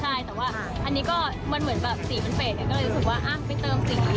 ใช่แต่ว่าอันนี้ก็มันเหมือนแบบสีมันเฟสก็เลยรู้สึกว่าไปเติมสี